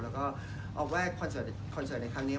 แล้วก็ออฟว่าคอนเสิร์ตในครั้งนี้